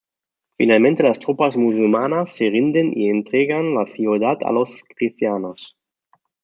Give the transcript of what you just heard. Finalmente las tropas musulmanas se rinden y entregan la ciudad a los cristianos.